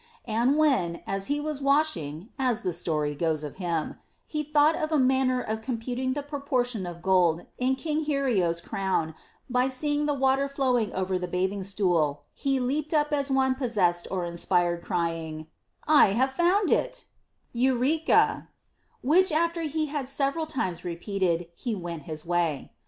And when, as he was washing (as the story goes of him), he thought of a manner of computing the propor tion of gold in King Iliero's crown by seeing the water flowing over the bathing stool, he leaped up as one pos sessed or inspired, crying, " I have found it " (ενρηχα) ; which after he had several times repeated, he went his way.